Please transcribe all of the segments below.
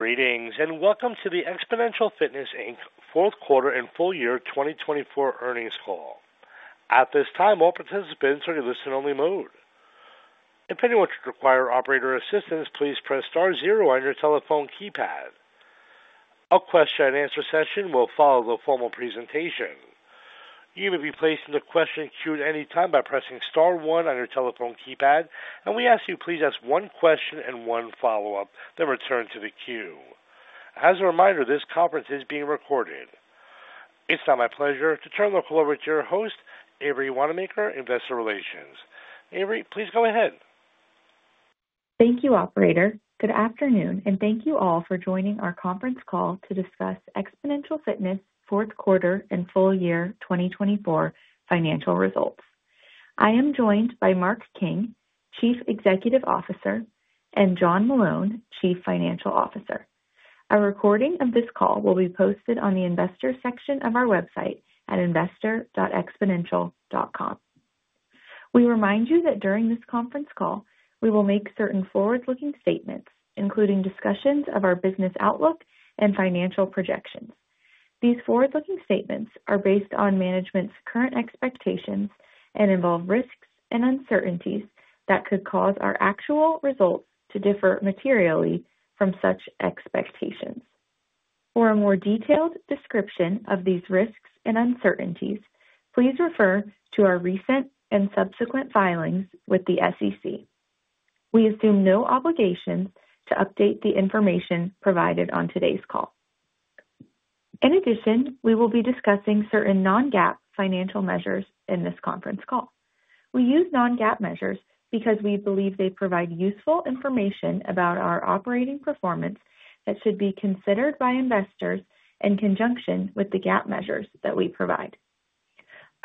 Greetings and welcome to the Xponential Fitness, Inc. Fourth Quarter and Full Year 2024 Earnings Call. At this time, all participants are in listen-only mode. If anyone should require operator assistance, please press star zero on your telephone keypad. A question-and-answer session will follow the formal presentation. You may be placed in the question queue at any time by pressing star one on your telephone keypad, and we ask that you please ask one question and one follow-up then return to the queue. As a reminder, this conference is being recorded. It's now my pleasure to turn the call over to your host, Avery Wannemacher, Investor Relations. Avery, please go ahead. Thank you, Operator. Good afternoon, and thank you all for joining our conference call to discuss Xponential Fitness Fourth Quarter and Full Year 2024 Financial Results. I am joined by Mark King, Chief Executive Officer, and John Meloun, Chief Financial Officer. A recording of this call will be posted on the investor section of our website at investor.xponential.com. We remind you that during this conference call, we will make certain forward-looking statements, including discussions of our business outlook and financial projections. These forward-looking statements are based on management's current expectations and involve risks and uncertainties that could cause our actual results to differ materially from such expectations. For a more detailed description of these risks and uncertainties, please refer to our recent and subsequent filings with the SEC. We assume no obligation to update the information provided on today's call. In addition, we will be discussing certain non-GAAP financial measures in this conference call. We use non-GAAP measures because we believe they provide useful information about our operating performance that should be considered by investors in conjunction with the GAAP measures that we provide.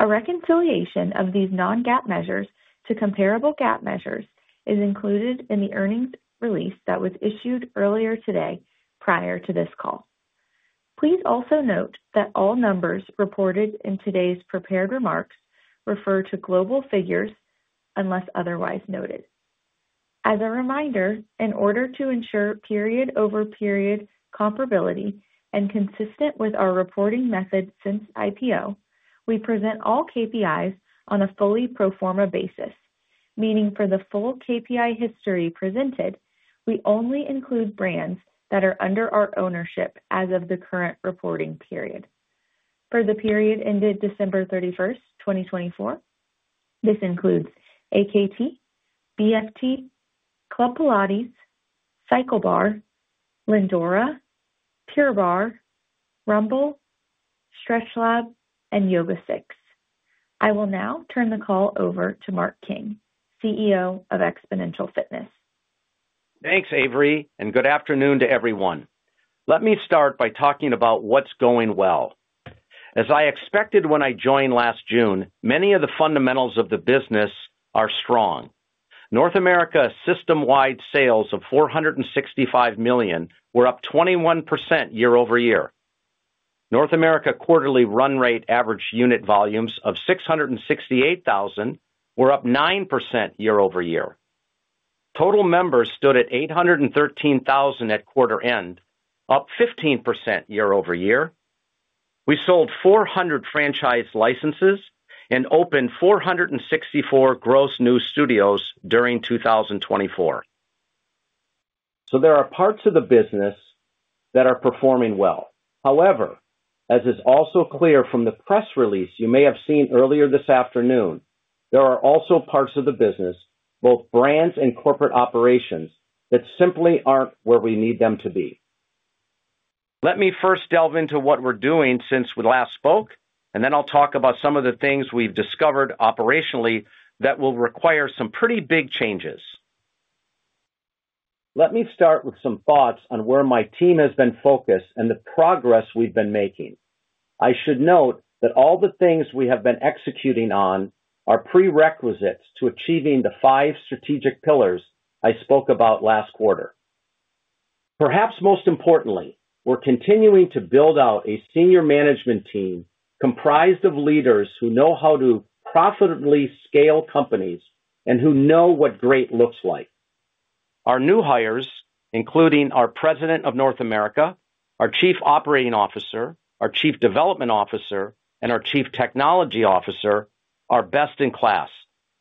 A reconciliation of these non-GAAP measures to comparable GAAP measures is included in the earnings release that was issued earlier today prior to this call. Please also note that all numbers reported in today's prepared remarks refer to global figures unless otherwise noted. As a reminder, in order to ensure period-over-period comparability and consistent with our reporting method since IPO, we present all KPIs on a fully pro forma basis, meaning for the full KPI history presented, we only include brands that are under our ownership as of the current reporting period. For the period ended December 31, 2024, this includes AKT, BFT, Club Pilates, CycleBar, Lindora, Pure Barre, Rumble, StretchLab, and YogaSix. I will now turn the call over to Mark King, CEO of Xponential Fitness. Thanks, Avery, and good afternoon to everyone. Let me start by talking about what's going well. As I expected when I joined last June, many of the fundamentals of the business are strong. North America's system-wide sales of $465 million were up 21% year-over-year. North America quarterly run rate average unit volumes of $668,000 were up 9% year-over-year. Total members stood at 813,000 at quarter end, up 15% year-over-year. We sold 400 franchise licenses and opened 464 gross new studios during 2024. There are parts of the business that are performing well. However, as is also clear from the press release you may have seen earlier this afternoon, there are also parts of the business, both brands and corporate operations, that simply aren't where we need them to be. Let me first delve into what we're doing since we last spoke, and then I'll talk about some of the things we've discovered operationally that will require some pretty big changes. Let me start with some thoughts on where my team has been focused and the progress we've been making. I should note that all the things we have been executing on are prerequisites to achieving the five strategic pillars I spoke about last quarter. Perhaps most importantly, we're continuing to build out a senior management team comprised of leaders who know how to profitably scale companies and who know what great looks like. Our new hires, including our President of North America, our Chief Operating Officer, our Chief Development Officer, and our Chief Technology Officer, are best in class,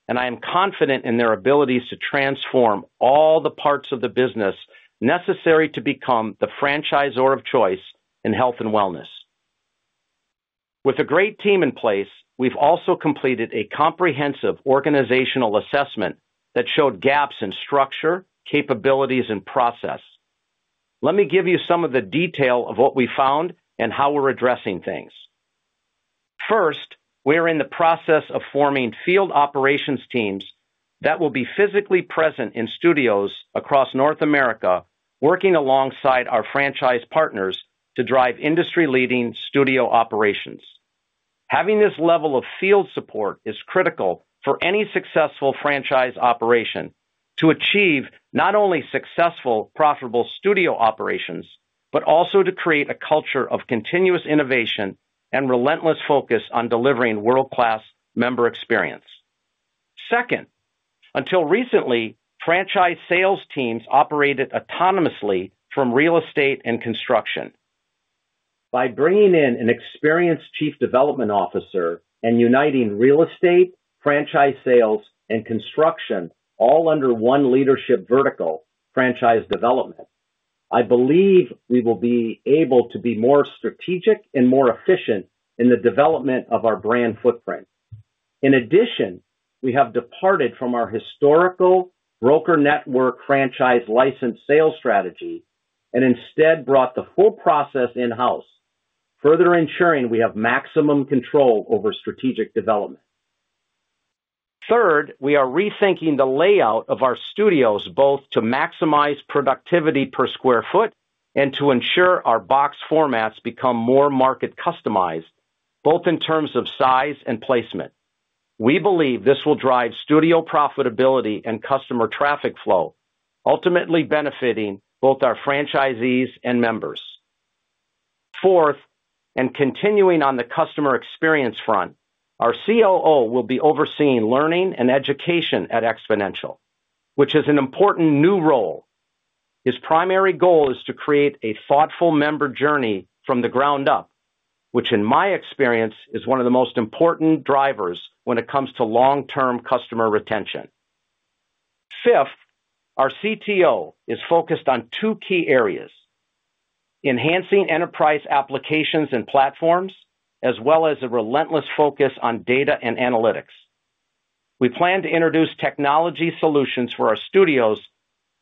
and I am confident in their abilities to transform all the parts of the business necessary to Franchisor of Choice in health and wellness. With a great team in place, we've also completed a comprehensive organizational assessment that showed gaps in structure, capabilities, and process. Let me give you some of the detail of what we found and how we're addressing things. First, we're in the process of forming field operations teams that will be physically present in studios across North America, working alongside our franchise partners to drive industry-leading studio operations. Having this level of field support is critical for any successful franchise operation to achieve not only successful, profitable studio operations, but also to create a culture of continuous innovation and relentless focus on delivering world-class member experience. Second, until recently, franchise sales teams operated autonomously from real estate and construction. By bringing in an experienced Chief Development Officer and uniting real estate, franchise sales, and construction all under one leadership vertical, franchise development, I believe we will be able to be more strategic and more efficient in the development of our brand footprint. In addition, we have departed from our historical broker network franchise license sales strategy and instead brought the full process in-house, further ensuring we have maximum control over strategic development. Third, we are rethinking the layout of our studios both to maximize productivity per square foot and to ensure our box formats become more market-customized, both in terms of size and placement. We believe this will drive studio profitability and customer traffic flow, ultimately benefiting both our franchisees and members. Fourth, and continuing on the customer experience front, our COO will be overseeing learning and education at Xponential, which is an important new role. His primary goal is to create a thoughtful member journey from the ground up, which, in my experience, is one of the most important drivers when it comes to long-term customer retention. Fifth, our CTO is focused on two key areas: enhancing enterprise applications and platforms, as well as a relentless focus on data and analytics. We plan to introduce technology solutions for our studios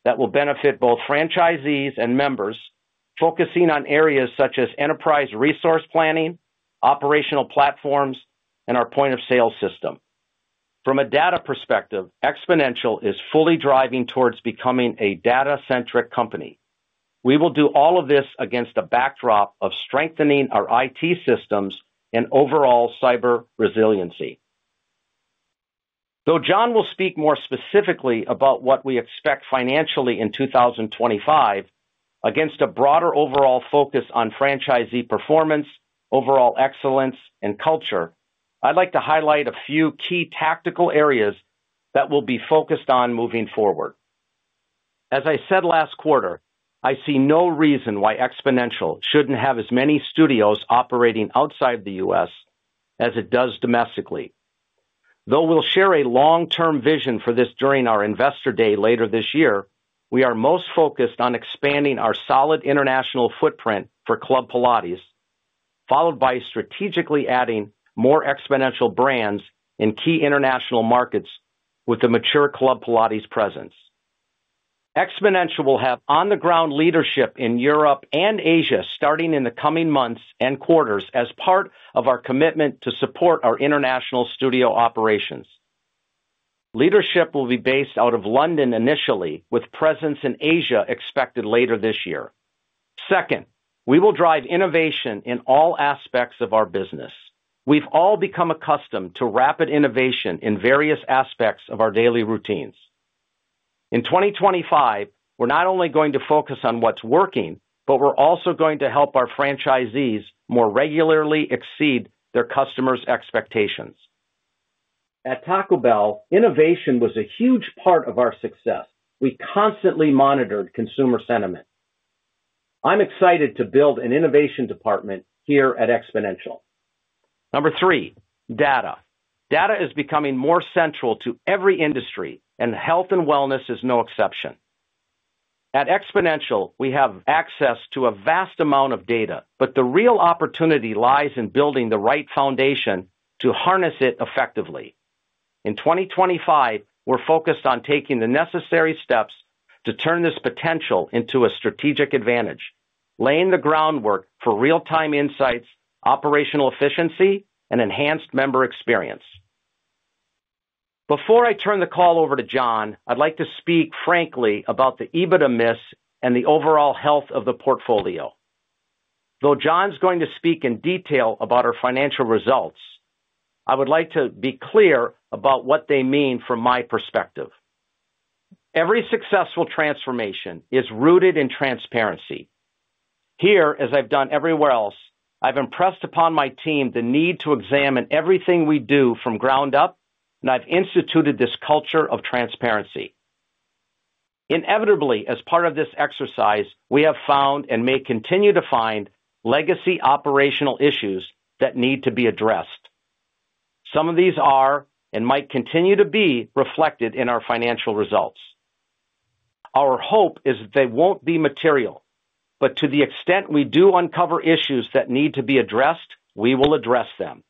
that will benefit both franchisees and members, focusing on areas such as enterprise resource planning, operational platforms, and our point-of-sale system. From a data perspective, Xponential is fully driving towards becoming a data-centric company. We will do all of this against a backdrop of strengthening our IT systems and overall cyber resiliency. Though John will speak more specifically about what we expect financially in 2025, against a broader overall focus on franchisee performance, overall excellence, and culture, I'd like to highlight a few key tactical areas that we'll be focused on moving forward. As I said last quarter, I see no reason why Xponential shouldn't have as many studios operating outside the U.S. as it does domestically. Though we'll share a long-term vision for this during our investor day later this year, we are most focused on expanding our solid international footprint for Club Pilates, followed by strategically adding more Xponential brands in key international markets with the mature Club Pilates presence. Xponential will have on-the-ground leadership in Europe and Asia starting in the coming months and quarters as part of our commitment to support our international studio operations. Leadership will be based out of London initially, with presence in Asia expected later this year. Second, we will drive innovation in all aspects of our business. We've all become accustomed to rapid innovation in various aspects of our daily routines. In 2025, we're not only going to focus on what's working, but we're also going to help our franchisees more regularly exceed their customers' expectations. At Taco Bell, innovation was a huge part of our success. We constantly monitored consumer sentiment. I'm excited to build an innovation department here at Xponential. Number three, data. Data is becoming more central to every industry, and health and wellness is no exception. At Xponential, we have access to a vast amount of data, but the real opportunity lies in building the right foundation to harness it effectively. In 2025, we're focused on taking the necessary steps to turn this potential into a strategic advantage, laying the groundwork for real-time insights, operational efficiency, and enhanced member experience. Before I turn the call over to John, I'd like to speak frankly about the EBITDA miss and the overall health of the portfolio. Though John's going to speak in detail about our financial results, I would like to be clear about what they mean from my perspective. Every successful transformation is rooted in transparency. Here, as I've done everywhere else, I've impressed upon my team the need to examine everything we do from ground up, and I've instituted this culture of transparency. Inevitably, as part of this exercise, we have found and may continue to find legacy operational issues that need to be addressed. Some of these are and might continue to be reflected in our financial results. Our hope is that they won't be material, but to the extent we do uncover issues that need to be addressed, we will address them.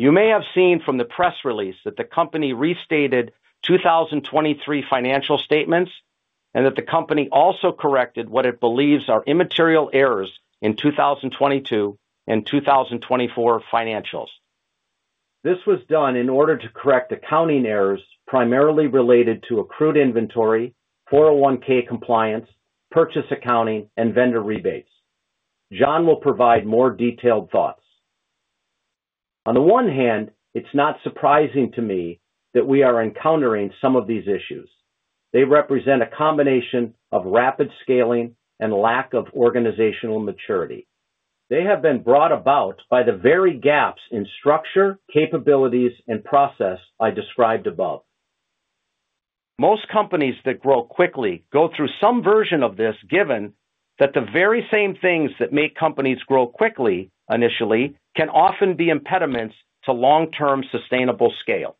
You may have seen from the press release that the company restated 2023 financial statements and that the company also corrected what it believes are immaterial errors in 2022 and 2024 financials. This was done in order to correct accounting errors primarily related to accrued inventory, 401(k) compliance, purchase accounting, and vendor rebates. John will provide more detailed thoughts. On the one hand, it's not surprising to me that we are encountering some of these issues. They represent a combination of rapid scaling and lack of organizational maturity. They have been brought about by the very gaps in structure, capabilities, and process I described above. Most companies that grow quickly go through some version of this given that the very same things that make companies grow quickly initially can often be impediments to long-term sustainable scale.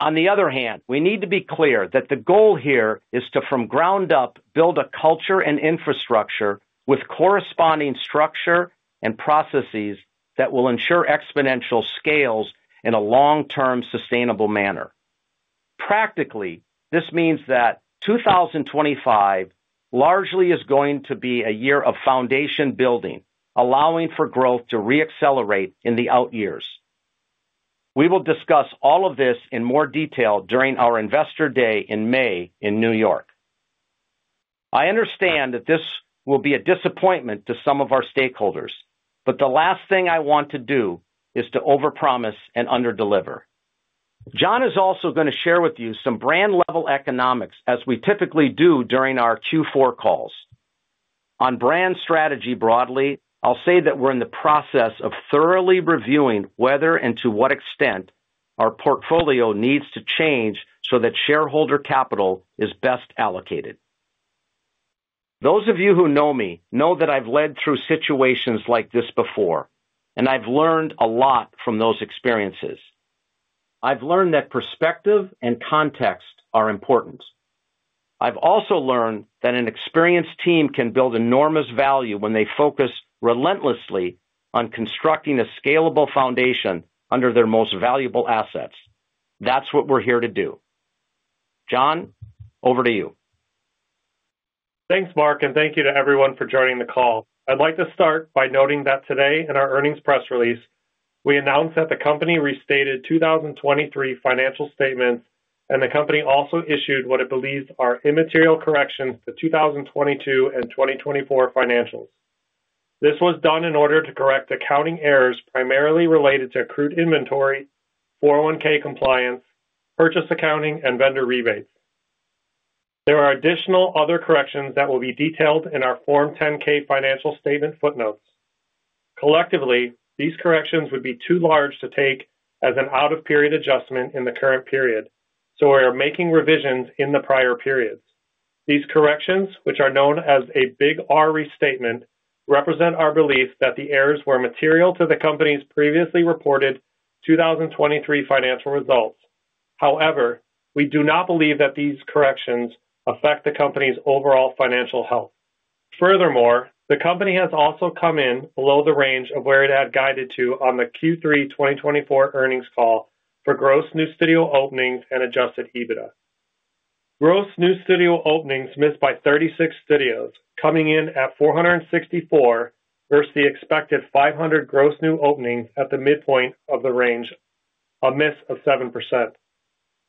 On the other hand, we need to be clear that the goal here is to, from ground up, build a culture and infrastructure with corresponding structure and processes that will ensure Xponential scales in a long-term sustainable manner. Practically, this means that 2025 largely is going to be a year of foundation building, allowing for growth to re-accelerate in the out years. We will discuss all of this in more detail during our investor day in May in New York. I understand that this will be a disappointment to some of our stakeholders, but the last thing I want to do is to overpromise and underdeliver. John is also going to share with you some brand-level economics as we typically do during our Q4 calls. On brand strategy broadly, I'll say that we're in the process of thoroughly reviewing whether and to what extent our portfolio needs to change so that shareholder capital is best allocated. Those of you who know me know that I've led through situations like this before, and I've learned a lot from those experiences. I've learned that perspective and context are important. I've also learned that an experienced team can build enormous value when they focus relentlessly on constructing a scalable foundation under their most valuable assets. That's what we're here to do. John, over to you. Thanks, Mark, and thank you to everyone for joining the call. I'd like to start by noting that today, in our earnings press release, we announced that the company restated 2023 financial statements, and the company also issued what it believes are immaterial corrections to 2022 and 2024 financials. This was done in order to correct accounting errors primarily related to accrued inventory, 401(k) compliance, purchase accounting, and vendor rebates. There are additional other corrections that will be detailed in our Form 10-K financial statement footnotes. Collectively, these corrections would be too large to take as an out-of-period adjustment in the current period, so we are making revisions in the prior periods. These corrections, which are known as a Big R restatement, represent our belief that the errors were material to the company's previously reported 2023 financial results. However, we do not believe that these corrections affect the company's overall financial health. Furthermore, the company has also come in below the range of where it had guided to on the Q3 2024 earnings call for gross new studio openings and adjusted EBITDA. Gross new studio openings missed by 36 studios, coming in at 464 versus the expected 500 gross new openings at the midpoint of the range, a miss of 7%.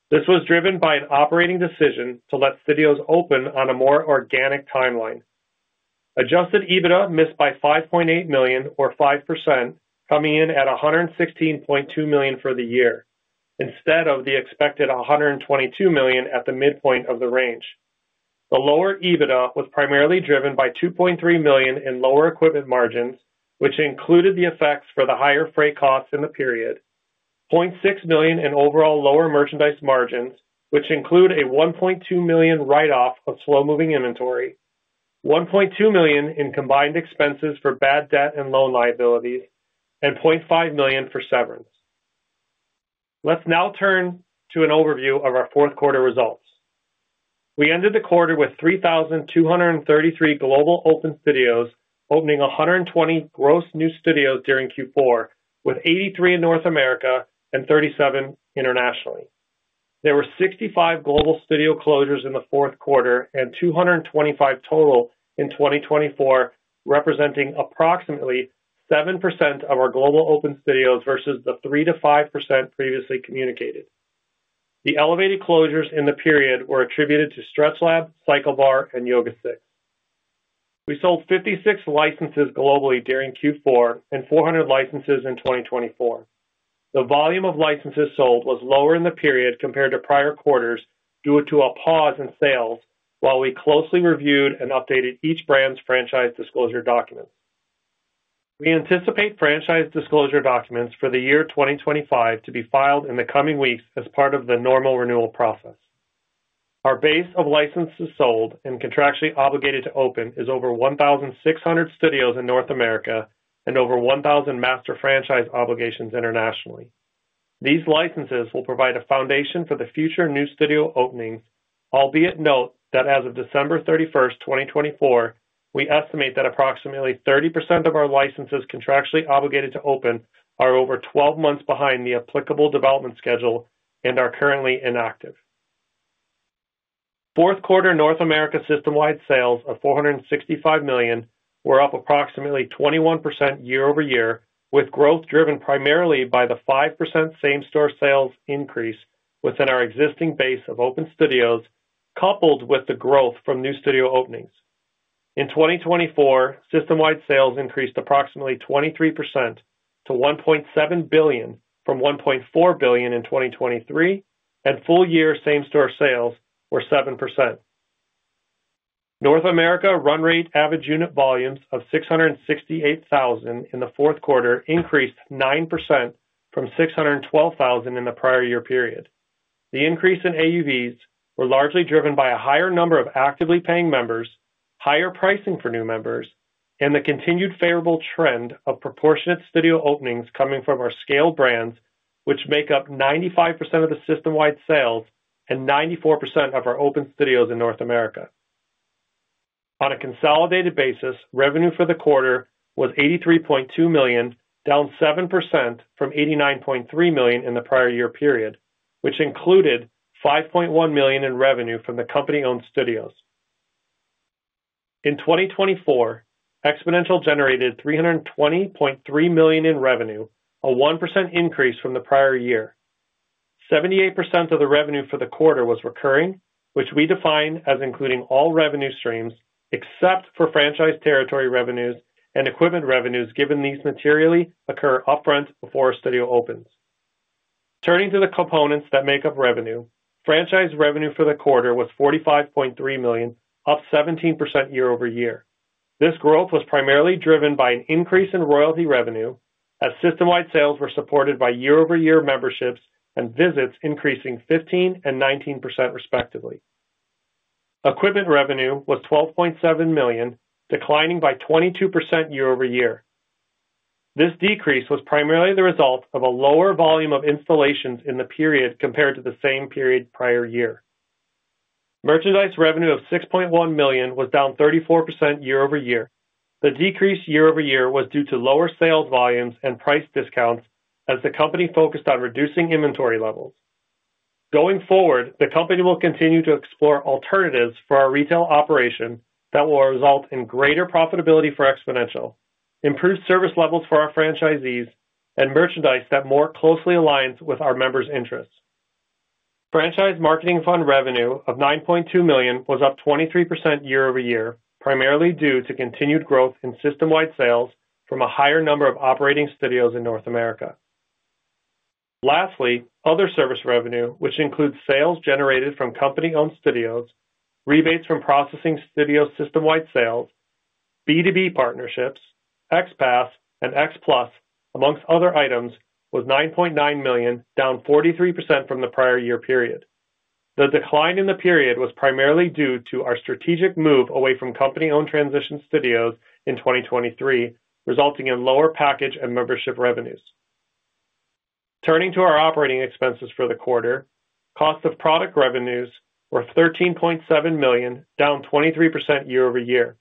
This was driven by an operating decision to let studios open on a more organic timeline. Adjusted EBITDA missed by $5.8 million, or 5%, coming in at $116.2 million for the year, instead of the expected $122 million at the midpoint of the range. The lower EBITDA was primarily driven by $2.3 million in lower equipment margins, which included the effects for the higher freight costs in the period, $0.6 million in overall lower merchandise margins, which include a $1.2 million write-off of slow-moving inventory, $1.2 million in combined expenses for bad debt and loan liabilities, and $0.5 million for severance. Let's now turn to an overview of our fourth quarter results. We ended the quarter with 3,233 global open studios opening 120 gross new studios during Q4, with 83 in North America and 37 internationally. There were 65 global studio closures in the fourth quarter and 225 total in 2024, representing approximately 7% of our global open studios versus the 3%-5% previously communicated. The elevated closures in the period were attributed to StretchLab, CycleBar, and YogaSix. We sold 56 licenses globally during Q4 and 400 licenses in 2024. The volume of licenses sold was lower in the period compared to prior quarters due to a pause in sales, while we closely reviewed and updated each brand's franchise disclosure documents. We anticipate franchise disclosure documents for the year 2025 to be filed in the coming weeks as part of the normal renewal process. Our base of licenses sold and contractually obligated to open is over 1,600 studios in North America and over 1,000 master franchise obligations internationally. These licenses will provide a foundation for the future new studio openings, albeit note that as of December 31, 2024, we estimate that approximately 30% of our licenses contractually obligated to open are over 12 months behind the applicable development schedule and are currently inactive. Fourth quarter North America system-wide sales of $465 million were up approximately 21% year-over-year, with growth driven primarily by the 5% same-store sales increase within our existing base of open studios, coupled with the growth from new studio openings. In 2024, system-wide sales increased approximately 23% to $1.7 billion from $1.4 billion in 2023, and full-year same-store sales were 7%. North America run rate average unit volumes of $668,000 in the fourth quarter increased 9% from $612,000 in the prior year period. The increase in AUVs was largely driven by a higher number of actively paying members, higher pricing for new members, and the continued favorable trend of proportionate studio openings coming from our scaled brands, which make up 95% of the system-wide sales and 94% of our open studios in North America. On a consolidated basis, revenue for the quarter was $83.2 million, down 7% from $89.3 million in the prior year period, which included $5.1 million in revenue from the company-owned studios. In 2024, Xponential generated $320.3 million in revenue, a 1% increase from the prior year. 78% of the revenue for the quarter was recurring, which we define as including all revenue streams except for franchise territory revenues and equipment revenues given these materially occur upfront before a studio opens. Turning to the components that make up revenue, franchise revenue for the quarter was $45.3 million, up 17% year-over-year. This growth was primarily driven by an increase in royalty revenue as system-wide sales were supported by year over year memberships and visits increasing 15% and 19% respectively. Equipment revenue was $12.7 million, declining by 22% year-over-year. This decrease was primarily the result of a lower volume of installations in the period compared to the same period prior year. Merchandise revenue of $6.1 million was down 34% year- over-year. The decrease year over year was due to lower sales volumes and price discounts as the company focused on reducing inventory levels. Going forward, the company will continue to explore alternatives for our retail operation that will result in greater profitability for Xponential, improved service levels for our franchisees, and merchandise that more closely aligns with our members' interests. Franchise marketing fund revenue of $9.2 million was up 23% year over year, primarily due to continued growth in system-wide sales from a higher number of operating studios in North America. Lastly, other service revenue, which includes sales generated from company-owned studios, rebates from processing studio system-wide sales, B2B partnerships, XPASS, and XPLUS, amongst other items, was $9.9 million, down 43% from the prior year period. The decline in the period was primarily due to our strategic move away from company-owned transition studios in 2023, resulting in lower package and membership revenues. Turning to our operating expenses for the quarter, cost of product revenues were $13.7 million, down 23% year over year.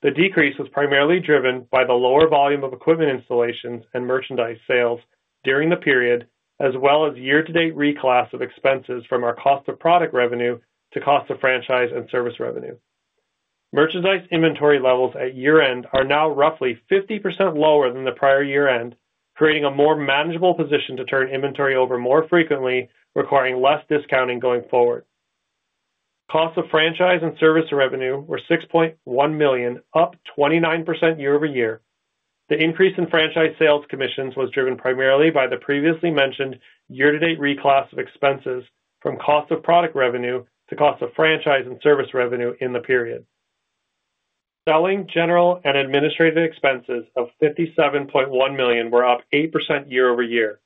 The decrease was primarily driven by the lower volume of equipment installations and merchandise sales during the period, as well as year-to-date reclass of expenses from our cost of product revenue to cost of franchise and service revenue. Merchandise inventory levels at year-end are now roughly 50% lower than the prior year-end, creating a more manageable position to turn inventory over more frequently, requiring less discounting going forward. Cost of franchise and service revenue were $6.1 million, up 29% year over year. The increase in franchise sales commissions was driven primarily by the previously mentioned year-to-date reclass of expenses from cost of product revenue to cost of franchise and service revenue in the period. Selling, general and administrative expenses of $57.1 million were up 8% year over year.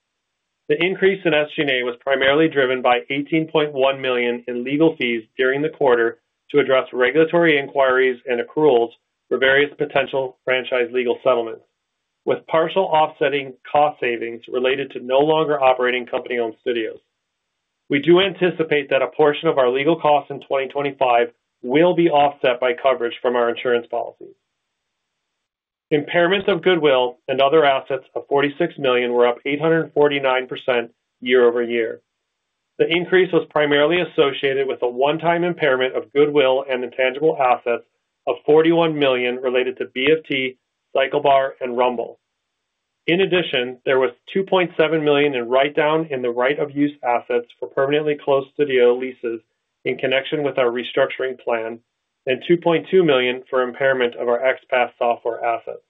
The increase in SG&A was primarily driven by $18.1 million in legal fees during the quarter to address regulatory inquiries and accruals for various potential franchise legal settlements, with partial offsetting cost savings related to no longer operating company-owned studios. We do anticipate that a portion of our legal costs in 2025 will be offset by coverage from our insurance policies. Impairments of goodwill and other assets of $46 million were up 849% year over year. The increase was primarily associated with a one-time impairment of goodwill and intangible assets of $41 million related to BFT, CycleBar, and Rumble. In addition, there was $2.7 million in write-down in the right-of-use assets for permanently closed studio leases in connection with our restructuring plan, and $2.2 million for impairment of our XPASS software assets.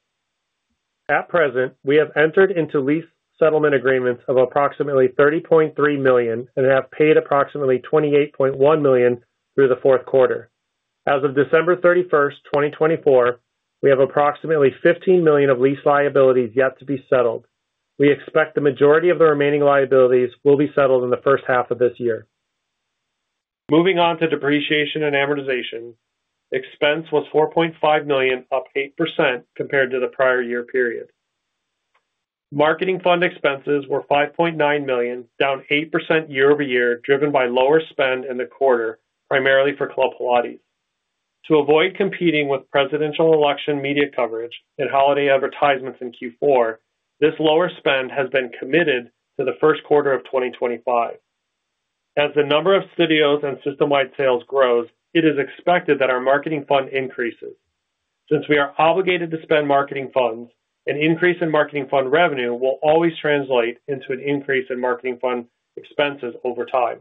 At present, we have entered into lease settlement agreements of approximately $30.3 million and have paid approximately $28.1 million through the fourth quarter. As of December 31, 2024, we have approximately $15 million of lease liabilities yet to be settled. We expect the majority of the remaining liabilities will be settled in the first half of this year. Moving on to depreciation and amortization, expense was $4.5 million, up 8% compared to the prior year period. Marketing fund expenses were $5.9 million, down 8% year over year, driven by lower spend in the quarter, primarily for Club Pilates. To avoid competing with presidential election media coverage and holiday advertisements in Q4, this lower spend has been committed to the first quarter of 2025. As the number of studios and system-wide sales grows, it is expected that our marketing fund increases. Since we are obligated to spend marketing funds, an increase in marketing fund revenue will always translate into an increase in marketing fund expenses over time.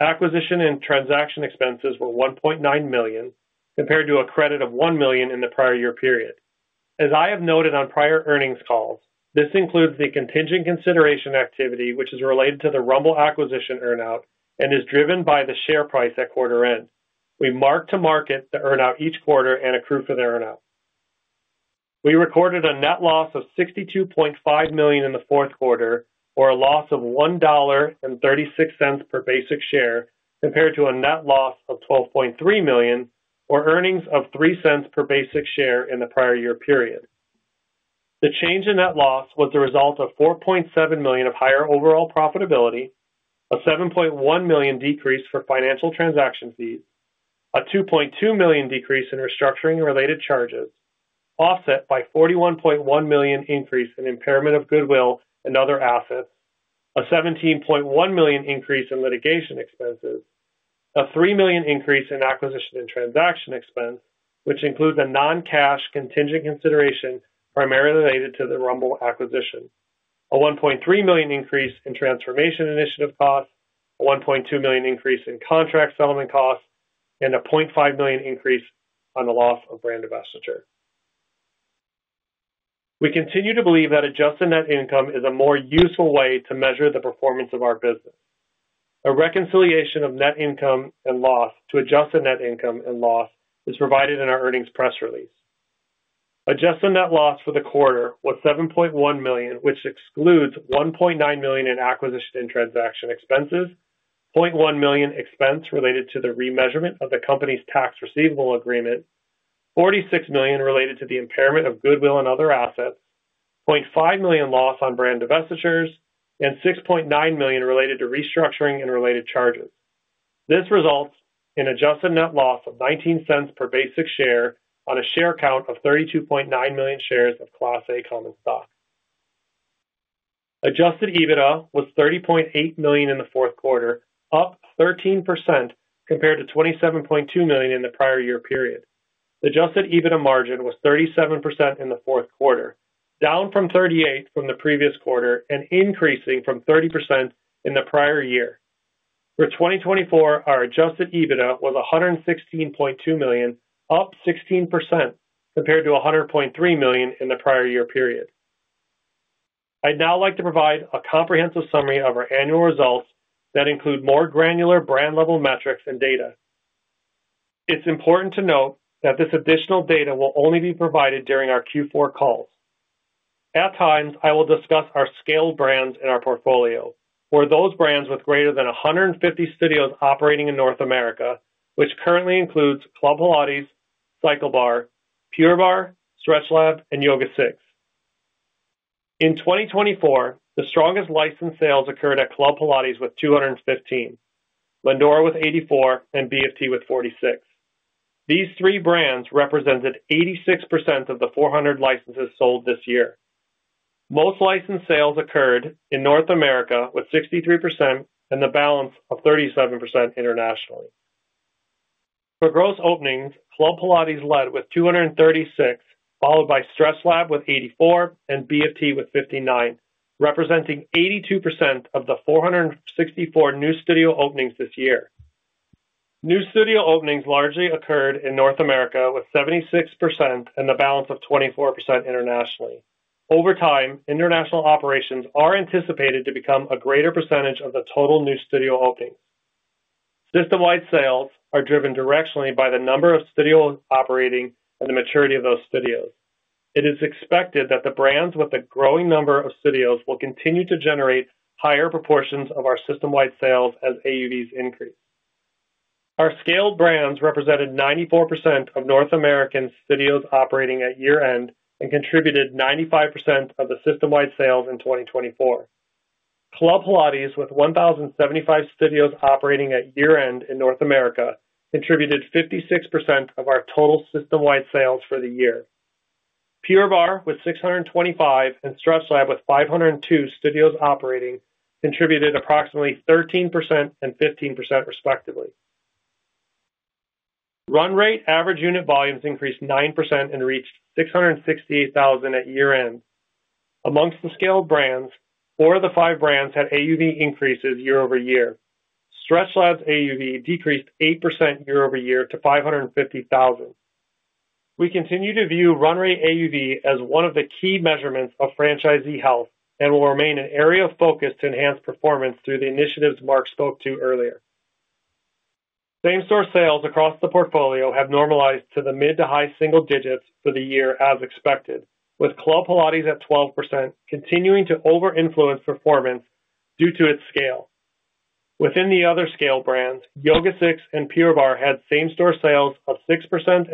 Acquisition and transaction expenses were $1.9 million compared to a credit of $1 million in the prior year period. As I have noted on prior earnings calls, this includes the contingent consideration activity, which is related to the Rumble acquisition earnout and is driven by the share price at quarter end. We mark to market the earnout each quarter and accrue for the earnout. We recorded a net loss of $62.5 million in the fourth quarter, or a loss of $1.36 per basic share, compared to a net loss of $12.3 million, or earnings of $0.03 per basic share in the prior year period. The change in net loss was the result of $4.7 million of higher overall profitability, a $7.1 million decrease for financial transaction fees, a $2.2 million decrease in restructuring-related charges, offset by a $41.1 million increase in impairment of goodwill and other assets, a $17.1 million increase in litigation expenses, a $3 million increase in acquisition and transaction expense, which includes a non-cash contingent consideration primarily related to the Rumble acquisition, a $1.3 million increase in transformation initiative costs, a $1.2 million increase in contract settlement costs, and a $0.5 million increase on the loss of brand ambassador. We continue to believe that adjusted net income is a more useful way to measure the performance of our business. A reconciliation of net income and loss to adjusted net income and loss is provided in our earnings press release. Adjusted net loss for the quarter was $7.1 million, which excludes $1.9 million in acquisition and transaction expenses, $0.1 million expense related to the remeasurement of the company's tax receivable agreement, $46 million related to the impairment of goodwill and other assets, $0.5 million loss on brand divestitures, and $6.9 million related to restructuring and related charges. This results in adjusted net loss of $0.19 per basic share on a share count of 32.9 million shares of Class A Common Stock. Adjusted EBITDA was $30.8 million in the fourth quarter, up 13% compared to $27.2 million in the prior year period. The adjusted EBITDA margin was 37% in the fourth quarter, down from 38% from the previous quarter and increasing from 30% in the prior year. For 2024, our adjusted EBITDA was $116.2 million, up 16% compared to $100.3 million in the prior year period. I'd now like to provide a comprehensive summary of our annual results that include more granular brand-level metrics and data. It's important to note that this additional data will only be provided during our Q4 calls. At times, I will discuss our scaled brands in our portfolio, or those brands with greater than 150 studios operating in North America, which currently includes Club Pilates, CycleBar, Pure Barre, StretchLab, and YogaSix. In 2024, the strongest license sales occurred at Club Pilates with 215, Lindora with 84, and BFT with 46. These three brands represented 86% of the 400 licenses sold this year. Most license sales occurred in North America with 63% and the balance of 37% internationally. For gross openings, Club Pilates led with 236, followed by StretchLab with 84 and BFT with 59, representing 82% of the 464 new studio openings this year. New studio openings largely occurred in North America with 76% and the balance of 24% internationally. Over time, international operations are anticipated to become a greater percentage of the total new studio openings. System-wide sales are driven directionally by the number of studios operating and the maturity of those studios. It is expected that the brands with a growing number of studios will continue to generate higher proportions of our system-wide sales as AUVs increase. Our scaled brands represented 94% of North American studios operating at year-end and contributed 95% of the system-wide sales in 2024. Club Pilates with 1,075 studios operating at year-end in North America contributed 56% of our total system-wide sales for the year. Pure Barre with 625 and StretchLab with 502 studios operating contributed approximately 13% and 15% respectively. Run rate average unit volumes increased 9% and reached 668,000 at year-end. Amongst the scaled brands, four of the five brands had AUV increases year over year. StretchLab's AUV decreased 8% year over year to $550,000. We continue to view run rate AUV as one of the key measurements of franchisee health and will remain an area of focus to enhance performance through the initiatives Mark spoke to earlier. Same-store sales across the portfolio have normalized to the mid to high single digits for the year as expected, with Club Pilates at 12% continuing to over-influence performance due to its scale. Within the other scaled brands, YogaSix and Pure Barre had same-store sales of 6%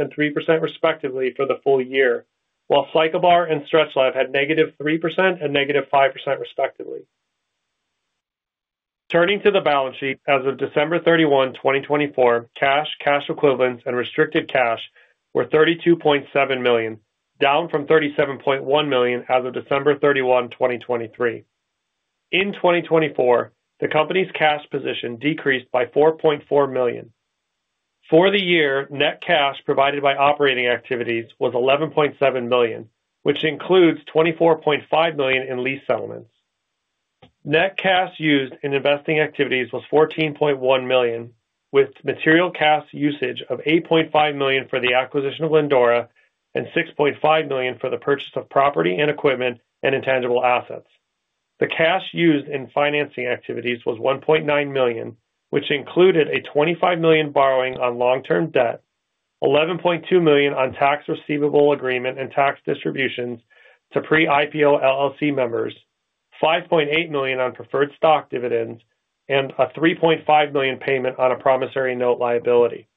and 3% respectively for the full year, while CycleBar and StretchLab had negative 3% and negative 5% respectively. Turning to the balance sheet as of December 31, 2024, cash, cash equivalents, and restricted cash were $32.7 million, down from $37.1 million as of December 31, 2023. In 2024, the company's cash position decreased by $4.4 million. For the year, net cash provided by operating activities was $11.7 million, which includes $24.5 million in lease settlements. Net cash used in investing activities was $14.1 million, with material cash usage of $8.5 million for the acquisition of Lindora and $6.5 million for the purchase of property and equipment and intangible assets. The cash used in financing activities was $1.9 million, which included a $25 million borrowing on long-term debt, $11.2 million on tax receivable agreement and tax distributions to pre-IPO LLC members, $5.8 million on preferred stock dividends, and a $3.5 million payment on a promissory note liability.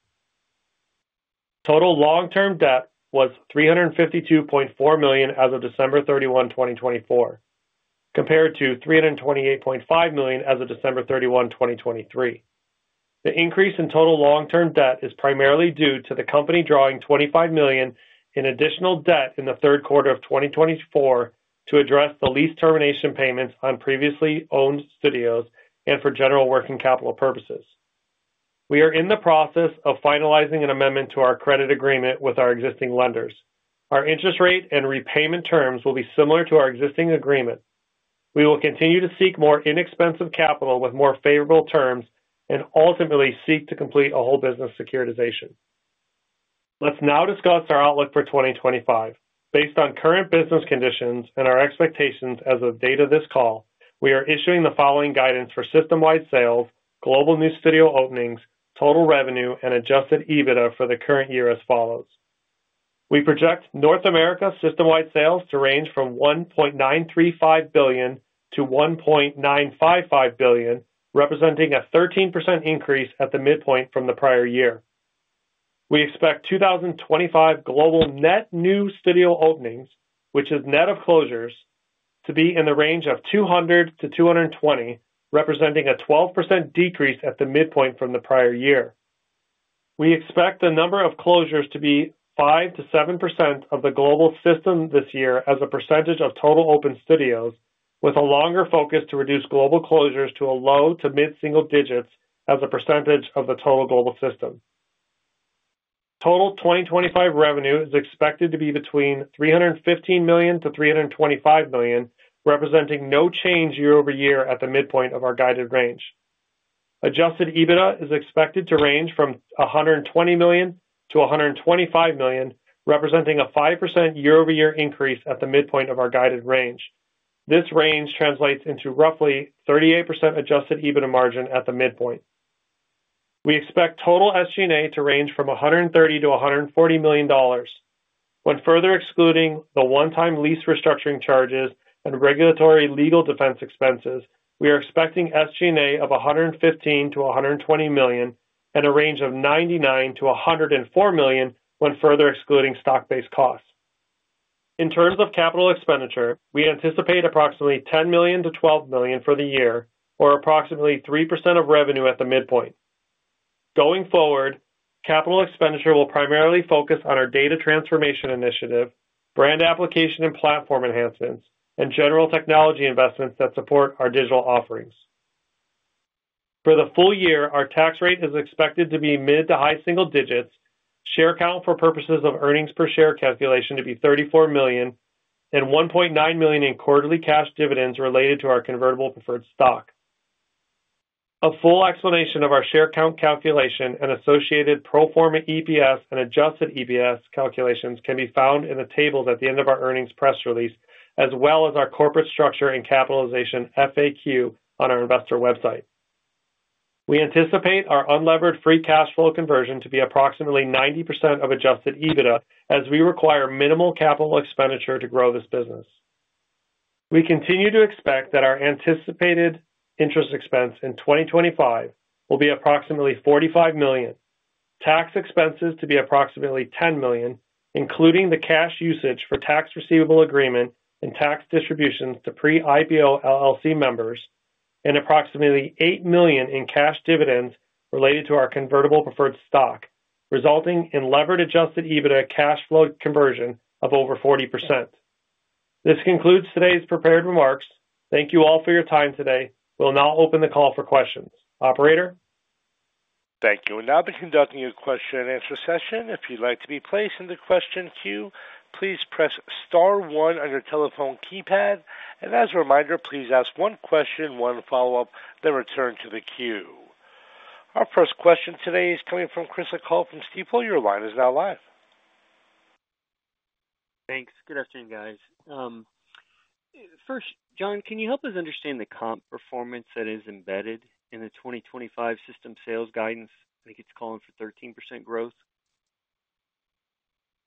Total long-term debt was $352.4 million as of December 31, 2024, compared to $328.5 million as of December 31, 2023. The increase in total long-term debt is primarily due to the company drawing $25 million in additional debt in the third quarter of 2024 to address the lease termination payments on previously owned studios and for general working capital purposes. We are in the process of finalizing an amendment to our credit agreement with our existing lenders. Our interest rate and repayment terms will be similar to our existing agreement. We will continue to seek more inexpensive capital with more favorable terms and ultimately seek to complete a whole business securitization. Let's now discuss our outlook for 2025. Based on current business conditions and our expectations as of the date of this call, we are issuing the following guidance for system-wide sales, global new studio openings, total revenue, and adjusted EBITDA for the current year as follows. We project North America system-wide sales to range from $1.935 billion-$1.955 billion, representing a 13% increase at the midpoint from the prior year. We expect 2025 global net new studio openings, which is net of closures, to be in the range of 200-220, representing a 12% decrease at the midpoint from the prior year. We expect the number of closures to be 5%-7% of the global system this year as a percentage of total open studios, with a longer focus to reduce global closures to a low to mid single digits as a percentage of the total global system. Total 2025 revenue is expected to be between $315 million-$325 million, representing no change year over year at the midpoint of our guided range. Adjusted EBITDA is expected to range from $120 million-$125 million, representing a 5% year over year increase at the midpoint of our guided range. This range translates into roughly 38% adjusted EBITDA margin at the midpoint. We expect total SG&A to range from $130 million-$140 million. When further excluding the one-time lease restructuring charges and regulatory legal defense expenses, we are expecting SG&A of $115 million-$120 million and a range of $99 million-$104 million when further excluding stock-based costs. In terms of capital expenditure, we anticipate approximately $10 million-$12 million for the year, or approximately 3% of revenue at the midpoint. Going forward, capital expenditure will primarily focus on our data transformation initiative, brand application and platform enhancements, and general technology investments that support our digital offerings. For the full year, our tax rate is expected to be mid to high single digits, share count for purposes of earnings per share calculation to be 34 million, and $1.9 million in quarterly cash dividends related to our convertible preferred stock. A full explanation of our share count calculation and associated pro forma EPS and adjusted EPS calculations can be found in the tables at the end of our earnings press release, as well as our corporate structure and capitalization FAQ on our investor website. We anticipate our unlevered free cash flow conversion to be approximately 90% of adjusted EBITDA, as we require minimal capital expenditure to grow this business. We continue to expect that our anticipated interest expense in 2025 will be approximately $45 million, tax expenses to be approximately $10 million, including the cash usage for tax receivable agreement and tax distributions to pre-IPO LLC members, and approximately $8 million in cash dividends related to our convertible preferred stock, resulting in levered adjusted EBITDA cash flow conversion of over 40%. This concludes today's prepared remarks. Thank you all for your time today. We'll now open the call for questions. Operator? Thank you. You are now conducting your question and answer session. If you'd like to be placed in the question queue, please press star one on your telephone keypad. And as a reminder, please ask one question, one follow-up, then return to the queue. Our first question today is coming from Chris O'Cull from Stifel. Your line is now live. Thanks. Good afternoon, guys. First, John, can you help us understand the comp performance that is embedded in the 2025 system sales guidance? I think it's calling for 13% growth.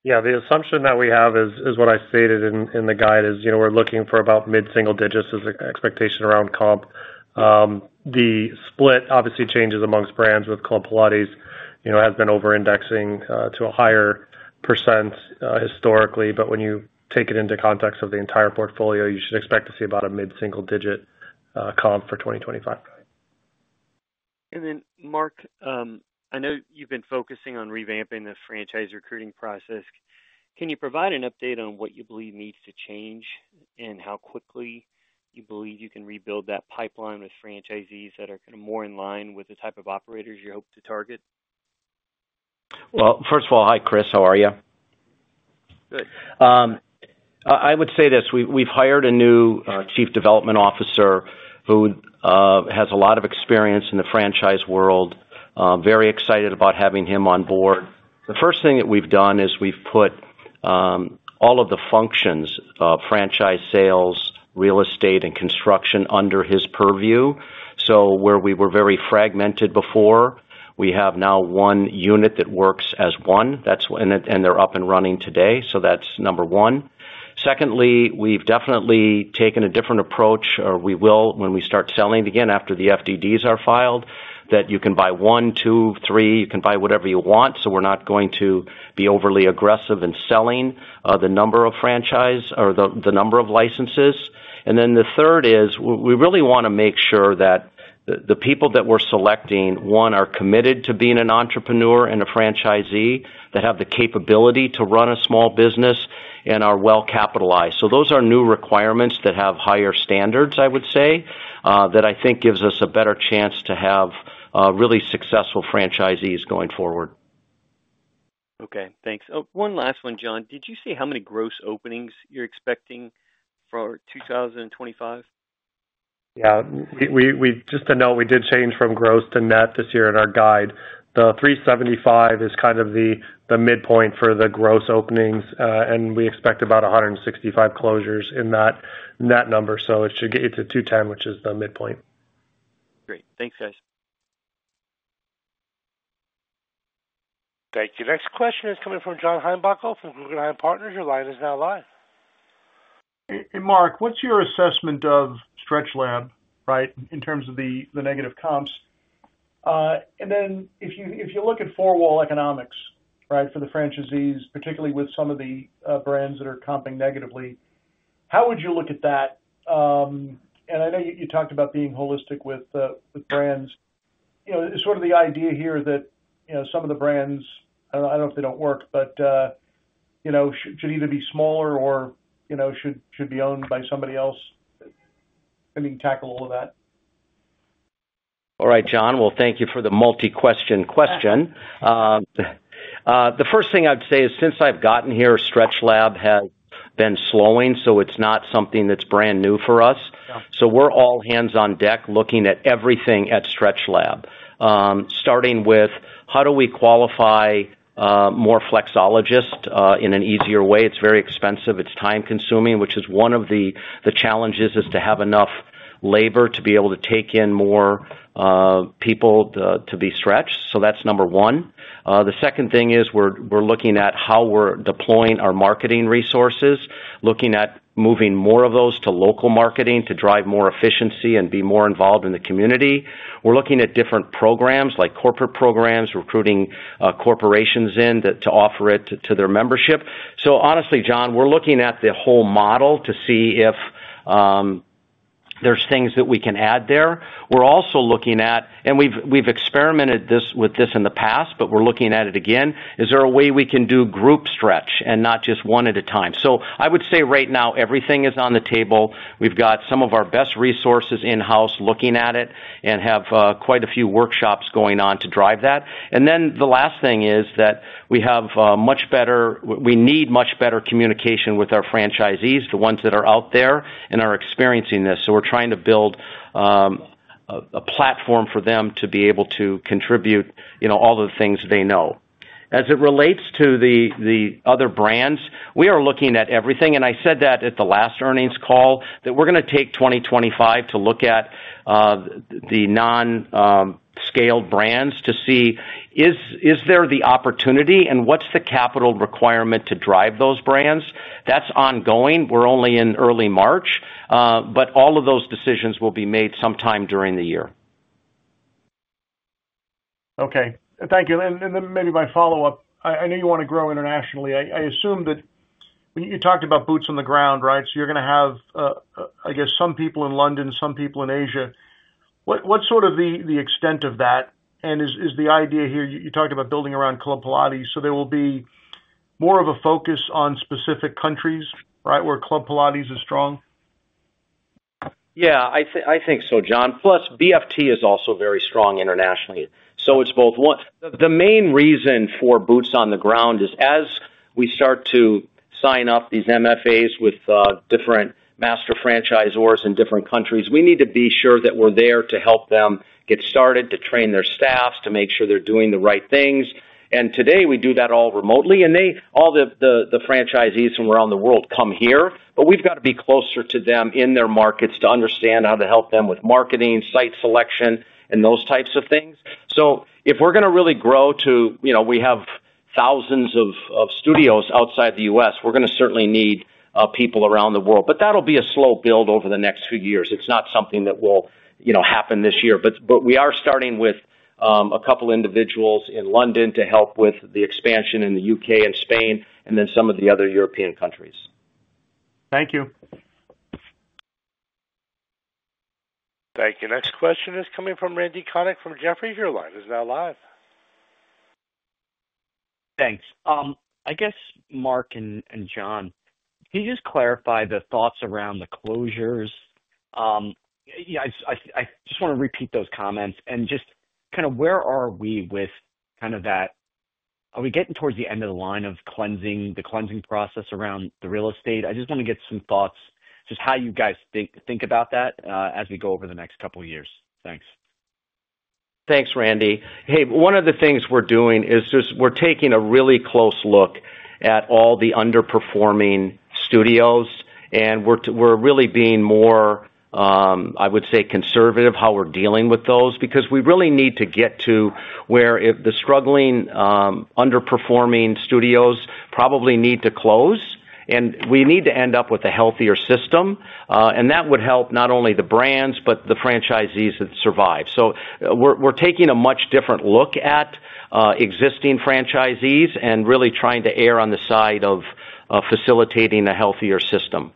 Yeah. The assumption that we have is what I stated in the guide is you know we're looking for about mid single digits as an expectation around comp. Uhm the split obviously changes amongst brands with Club Pilates, has been over-indexing to a higher percents historically. When you take it into context of the entire portfolio, you should expect to see about a mid single digit comp for 2025. And then Mark, uhm I know you've been focusing on revamping the franchise recruiting process. Can you provide an update on what you believe needs to change and how quickly you believe you can rebuild that pipeline with franchisees that are kind of more in line with the type of operators you hope to target? First of all, hi, Chris. How are you? Good. I would say this. We have hired a new Chief Development Officer who has a lot of experience in the franchise world. Very excited about having him on board. The first thing that we have done is we have put all of the functions of franchise sales, real estate, and construction under his purview. So where we were very fragmented before, we have now one unit that works as one, and they are up and running today. So that's number one. Secondly, we have definitely taken a different approach, or we will when we start selling it again after the FDDs are filed, that you can buy one, two, three. You can buy whatever you want. We are not going to be overly aggressive in selling the number of franchise or the number of licenses. And then the third is we really want to make sure that the people that we're selecting, one, are committed to being an entrepreneur and a franchisee that have the capability to run a small business and are well capitalized. Those are new requirements that have higher standards, I would say, that I think gives us a better chance to have really successful franchisees going forward. Okay. Thanks. One last one, John. Did you say how many gross openings you're expecting for 2025? Yeah. Just to note, we did change from gross to net this year in our guide. The 375 is kind of the midpoint for the gross openings, and we expect about 165 closures in that number. So it should get you to 210, which is the midpoint. Great. Thanks, guys. Thank you. Next question is coming from John Heinbockel from Guggenheim Partners. Your line is now live. Mark, what's your assessment of StretchLab, right, in terms of the negative comps? Ah and then if you look at four-wall economics, right, for the franchisees, particularly with some of the brands that are comping negatively, how would you look at that? Uhm and I know you talked about being holistic with brands. Sort of the idea here that some of the brands, I don't know if they don't work, but should either be smaller or should be owned by somebody else. I mean, tackle all of that. All right, John. Well thank you for the multi-question question. The first thing I'd say is since I've gotten here, StretchLab has been slowing, so it's not something that's brand new for us. So we are all hands on deck looking at everything at StretchLab, uhm starting with how do we qualify more Flexologists in an easier way. It's very expensive. It's time-consuming, which is one of the challenges is to have enough labor to be able to take in more people to be stretched. So that's number one. The second thing is we're looking at how we're deploying our marketing resources, looking at moving more of those to local marketing to drive more efficiency and be more involved in the community. We're looking at different programs like corporate programs, recruiting corporations in to offer it to their membership. So honestly, John, we're looking at the whole model to see if uhm there's things that we can add there. We're also looking at, and we've experimented with this in the past, but we're looking at it again. Is there a way we can do group stretch and not just one at a time? So I would say right now everything is on the table. We've got some of our best resources in-house looking at it and have quite a few workshops going on to drive that. And then last thing is that we need much better communication with our franchisees, the ones that are out there and are experiencing this. We're trying to build a platform for them to be able to contribute all the things they know. As it relates to the other brands, we are looking at everything. And I said that at the last earnings call, that we're going to take 2025 to look at the non-scaled brands to see is there the opportunity and what's the capital requirement to drive those brands. That's ongoing. We're only in early March, but all of those decisions will be made sometime during the year. Okay. Thank you. Maybe my follow-up. I know you want to grow internationally. I assume that you talked about boots on the ground, right? You are going to have, I guess, some people in London, some people in Asia. What sort of the extent of that? Is the idea here you talked about building around Club Pilates, so there will be more of a focus on specific countries, right, where Club Pilates is strong? Yeah. I think so, John. Plus, BFT is also very strong internationally. So it's both. The main reason for boots on the ground is as we start to sign up these MFAs with different master franchisors in different countries, we need to be sure that we are there to help them get started, to train their staff, to make sure they are doing the right things. And today we do that all remotely. All the franchisees from around the world come here, but we have to be closer to them in their markets to understand how to help them with marketing, site selection, and those types of things. So if we are going to really grow to we have thousands of studios outside the U.S., we are going to certainly need people around the world. That will be a slow build over the next few years. It is not something that will happen this year. We are starting with a couple of individuals in London to help with the expansion in the U.K. and Spain, and then some of the other European countries. Thank you. Thank you. Next question is coming from Randy Konik from Jefferies. You are live. He is now live. Thanks. Um I guess, Mark and John, can you just clarify the thoughts around the closures? Um I just want to repeat those comments. Just kind of where are we with kind of that? Are we getting towards the end of the line of the cleansing, the cleansing process around the real estate? I just want to get some thoughts, just how you guys think about that as we go over the next couple of years. Thanks. Thanks, Randy. Hey one of the things we're doing is we're taking a really close look at all the underperforming studios. And we're really being more, I would say, conservative how we're dealing with those because we really need to get to where the struggling, uhm underperforming studios probably need to close. And we need to end up with a healthier system. That would help not only the brands, but the franchisees that survive. So we're taking a much different look at existing franchisees and really trying to err on the side of facilitating a healthier system.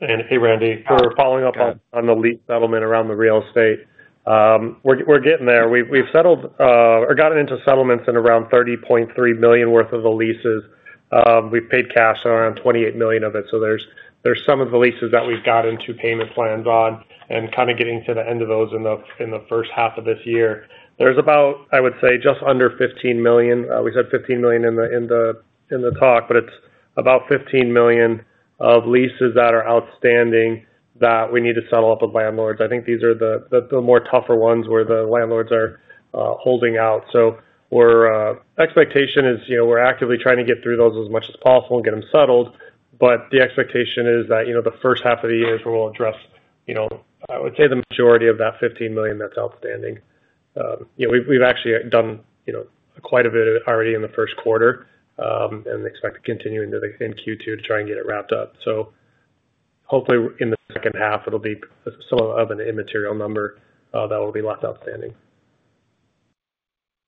Hey, Randy, for following up on the lease settlement around the real estate. Ahm we're getting there. We've settled or gotten into settlements in around $30.3 million worth of the leases. We've paid cash on around $28 million of it. So there are some of the leases that we've gotten into payment plans on and kind of getting to the end of those in the first half of this year. There's about, I would say, just under $15 million. We said $15 million in the talk, but it's about $15 million of leases that are outstanding that we need to settle up with landlords. I think these are the more tougher ones where the landlords are holding out. Our expectation is we're actively trying to get through those as much as possible and get them settled. But the expectation is that the first half of the year is where we'll address, I would say, the majority of that $15 million that's outstanding. We've actually done quite a bit already in the first quarter and expect to continue into Q2 to try and get it wrapped up. So hopefully in the second half, it'll be somewhat of an immaterial number that will be left outstanding.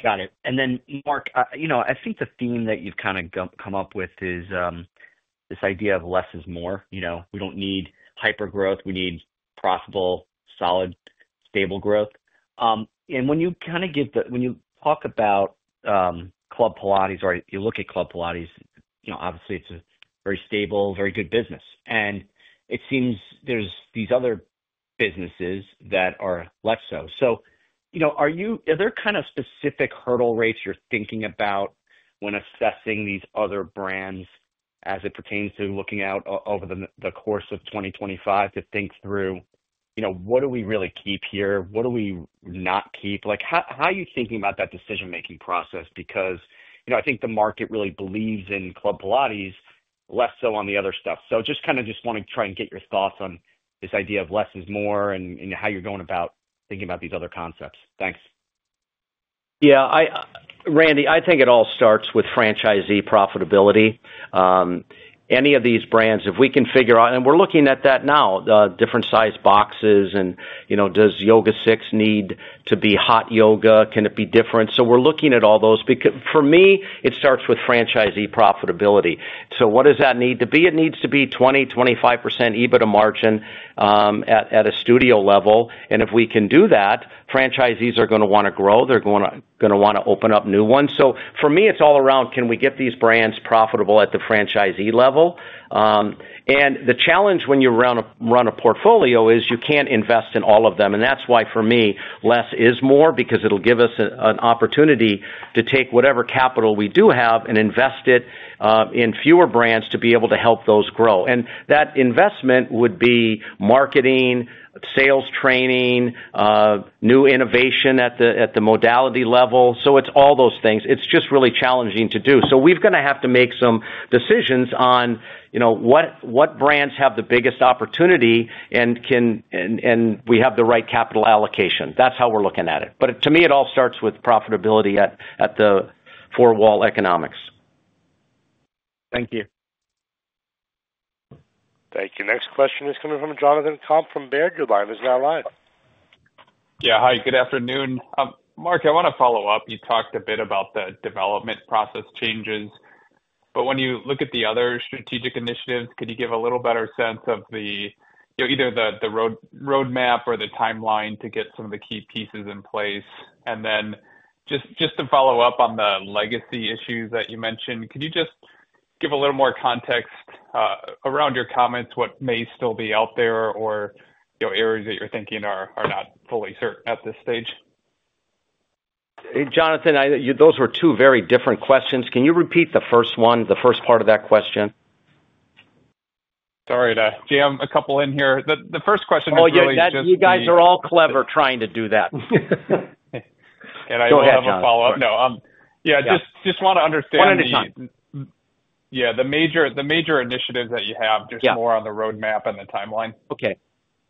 Got it. And then Mark, I think the theme that you've kind of come up with is this idea of less is more. You know we don't need hypergrowth. We need profitable, solid, stable growth. When you kind of get the when you talk about Club Pilates or you look at Club Pilates, obviously, it's a very stable, very good business. And it seems there's these other businesses that are less so. Are there kind of specific hurdle rates you're thinking about when assessing these other brands as it pertains to looking out over the course of 2025 to think through what do we really keep here? What do we not keep? How are you thinking about that decision-making process? Because I think the market really believes in Club Pilates, less so on the other stuff. Just kind of just want to try and get your thoughts on this idea of less is more and how you're going about thinking about these other concepts. Thanks. Yeah. Randy, I think it all starts with franchisee profitability. Uhm any of these brands, if we can figure out and we're looking at that now, different size boxes. Does YogaSix need to be hot yoga? Can it be different? We're looking at all those. For me, it starts with franchisee profitability. What does that need to be? It needs to be 20%-25% EBITDA margin at a studio level. And if we can do that, franchisees are going to want to grow. They're going to want to open up new ones. So for me, it's all around can we get these brands profitable at the franchisee level? The challenge when you run a portfolio is you can't invest in all of them. And that's why for me, less is more because it'll give us an opportunity to take whatever capital we do have and invest it in fewer brands to be able to help those grow. And that investment would be marketing, sales training, new innovation at the modality level. So it's all those things. It's just really challenging to do. We've got to have to make some decisions on what brands have the biggest opportunity and we have the right capital allocation. That's how we're looking at it. To me, it all starts with profitability at the four-wall economics. Thank you. Thank you. Next question is coming from Jonathan Komp from Baird. Your line is now live. Yeah. Hi. Good afternoon. Mark, I want to follow up. You talked a bit about the development process changes. But when you look at the other strategic initiatives, could you give a little better sense of either the roadmap or the timeline to get some of the key pieces in place? Just to follow up on the legacy issues that you mentioned, could you just give a little more context around your comments, what may still be out there, or areas that you're thinking are not fully certain at this stage? Jonathan, those were two very different questions. Can you repeat the first one, the first part of that question? Sorry to jam a couple in here. The first question is really just. Oh, yeah. You guys are all clever trying to do that. Can I have a follow-up? No. Yeah. Just want to understand. One at a time. Yeah. The major initiatives that you have, just more on the roadmap and the timeline. Okay.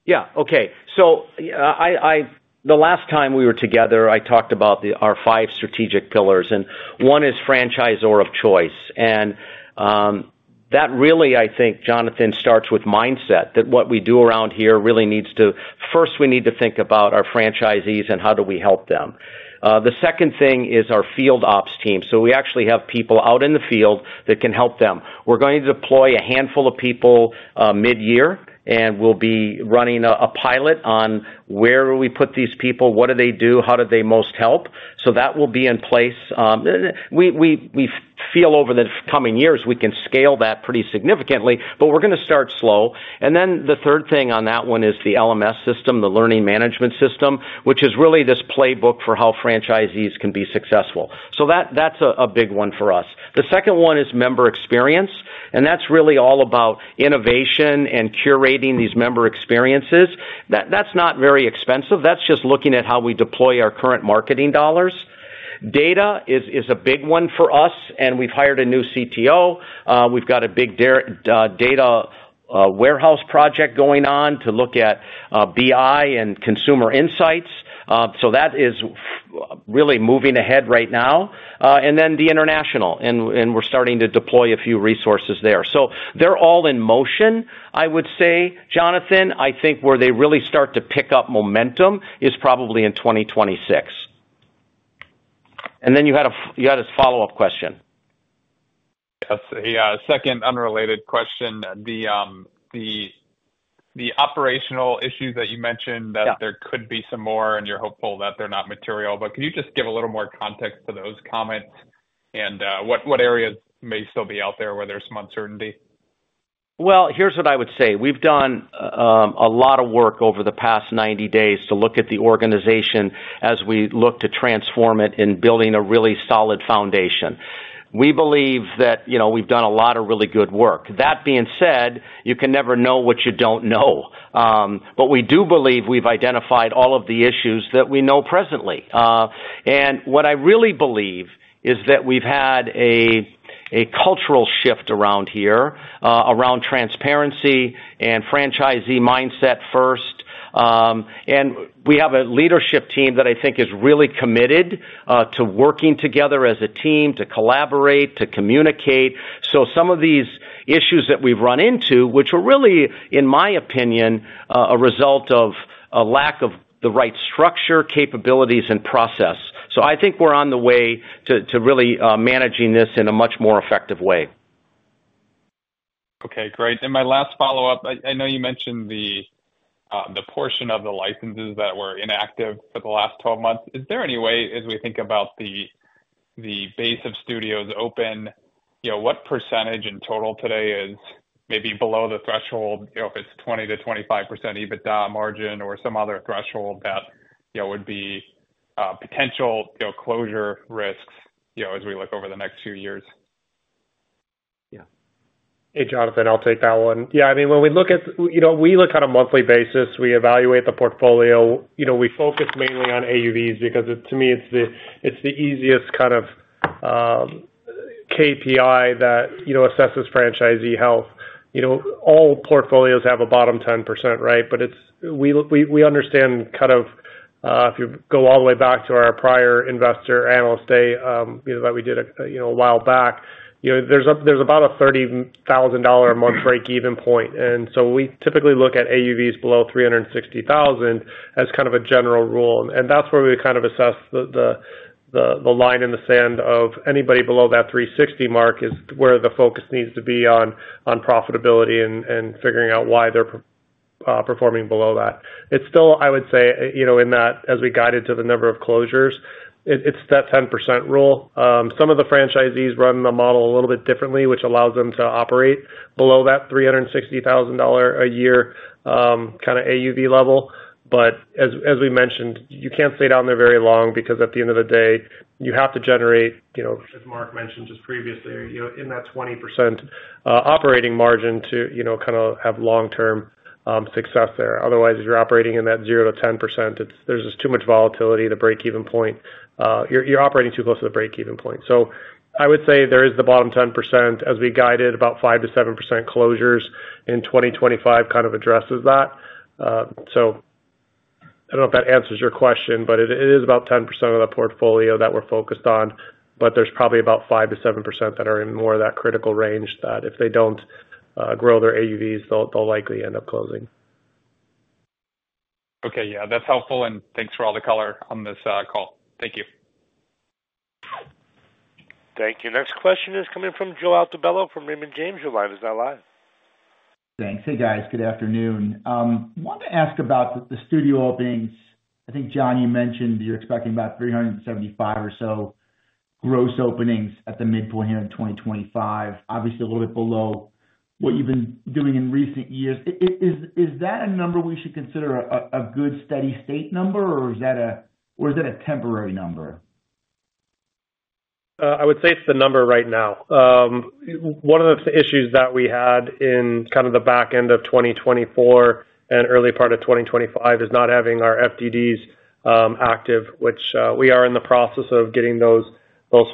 Yeah. Okay. The last time we were together, I talked about our five strategic pillars. Franchisor of Choice. that really, I think, Jonathan, starts with mindset, that what we do around here really needs to first, we need to think about our franchisees and how do we help them. The second thing is our field ops team. We actually have people out in the field that can help them. We're going to deploy a handful of people mid-year, and we'll be running a pilot on where do we put these people, what do they do, how do they most help. That will be in place. We feel over these coming years we can scale that pretty significantly, but we're gonna to start slow. The third thing on that one is the LMS system, the learning management system, which is really this playbook for how franchisees can be successful. That's a big one for us. The second one is member experience. And that's really all about innovation and curating these member experiences. That's not very expensive. That's just looking at how we deploy our current marketing dollars. Data is a big one for us. And we've hired a new CTO. We've got a big data warehouse project going on to look at BI and consumer insights. So that is really moving ahead right now. Ah and then the international, and we're starting to deploy a few resources there. They're all in motion, I would say. Jonathan, I think where they really start to pick up momentum is probably in 2026. And then you had a follow-up question. Yes. A second unrelated question. The operational issues that you mentioned, that there could be some more and you're hopeful that they're not material. Bt can you just give a little more context to those comments and what areas may still be out there where there's some uncertainty? Well, here's what I would say. We've done a lot of work over the past 90 days to look at the organization as we look to transform it in building a really solid foundation. We believe that we've done a lot of really good work. That being said, you can never know what you don't know. We do believe we've identified all of the issues that we know presently. What I really believe is that we've had a cultural shift around here, around transparency and franchisee mindset first. We have a leadership team that I think is really committed to working together as a team, to collaborate, to communicate. Some of these issues that we've run into, which are really, in my opinion, a result of a lack of the right structure, capabilities, and process. So I think we're on the way to really managing this in a much more effective way. Okay. Great. My last follow-up. I know you mentioned the portion of the licenses that were inactive for the last 12 months. Is there any way, as we think about the base of studios open, what percentage in total today is maybe below the threshold, if it's 20%-25% EBITDA margin or some other threshold that would be potential closure risks as we look over the next few years? Yeah. Hey, Jonathan, I'll take that one. Yeah. I mean, when we look at we look on a monthly basis. We evaluate the portfolio. You know we focus mainly on AUVs because, to me, it's the easiest kind of KPI that assesses franchisee health. All portfolios have a bottom 10%, right? We understand kind of if you go all the way back to our prior investor analyst day that we did a while back, there's about a $30,000 a month break-even point. And so we typically look at AUVs below $360,000 as kind of a general rule. That's where we kind of assess the line in the sand of anybody below that $360,000 mark is where the focus needs to be on profitability and figuring out why they're performing below that. It's still, I would say, in that as we guided to the number of closures, it's that 10% rule. Uhm some of the franchisees run the model a little bit differently, which allows them to operate below that $360,000 a year kind of AUV level. As we mentioned, you can't stay down there very long because at the end of the day, you have to generate, as Mark mentioned just previously, in that 20% operating margin to kind of have long-term success there. Otherwise, if you're operating in that 0-10% range, there's just too much volatility at the break-even point. You're operating too close to the break-even point. I would say there is the bottom 10%. As we guided, about 5-7% closures in 2025 kind of addresses that. I don't know if that answers your question, but it is about 10% of the portfolio that we're focused on. There's probably about 5-7% that are in more of that critical range that if they do not grow their AUVs, they will likely end up closing. Okay. Yeah. That's helpful. Thanks for all the color on this call. Thank you. Thank you. Next question is coming from Joe Altobello from Raymond James. Your line is now live. Thanks. Hey, guys. Good afternoon. I wanted to ask about the studio openings. I think, John, you mentioned you are expecting about 375 or so gross openings at the midpoint here in 2025, obviously a little bit below what you have been doing in recent years. Is that a number we should consider a good steady-state number, or is that a temporary number? I would say it is the number right now. One of the issues that we had in kind of the back end of 2024 and early part of 2025 is not having our FDDs active, which we are in the process of getting those